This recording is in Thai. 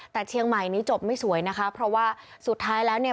แต่เชียงใหม่นี้จบไม่สวยนะคะเพราะว่าสุดท้ายแล้วเนี่ย